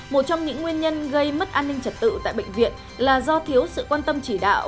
một trong những nguyên nhân gây mất an ninh trật tự tại bệnh viện là do thiếu sự quan tâm chỉ đạo